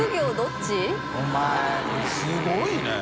亜すごいね。